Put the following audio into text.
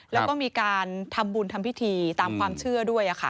แล้วก็มีการทำบุญทำพิธีตามความเชื่อด้วย